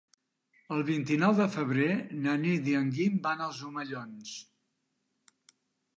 El vint-i-nou de febrer na Nit i en Guim van als Omellons.